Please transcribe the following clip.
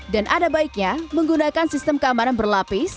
dan ada baiknya menggunakan sistem keamanan berlapar